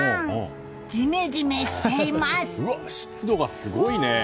湿度がすごいね。